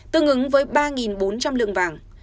tương ứng với ba bốn trăm linh lượng vàng